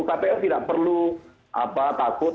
kpu tidak perlu takut